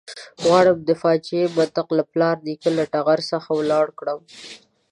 غواړم د فاجعې منطق له پلار نیکه له ټغر څخه ولاړ کړم.